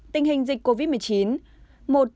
tình hình dịch covid một mươi chín